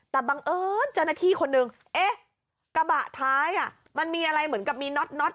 แต่บังเอิญเจ้าหน้าที่คนหนึ่งเอ๊ะกระบะท้ายมันมีอะไรเหมือนกับมีน็อต